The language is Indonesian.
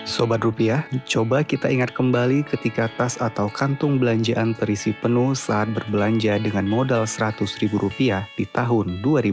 sobat rupiah coba kita ingat kembali ketika tas atau kantung belanjaan terisi penuh saat berbelanja dengan modal seratus ribu rupiah di tahun dua ribu dua puluh